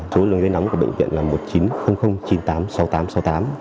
số lượng dây nóng của bệnh viện là một nghìn chín trăm linh chín mươi tám sáu mươi tám sáu mươi tám